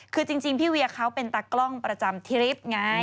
คือจริงพี่เวียเขาเป็นตากล้องประจำทริปไง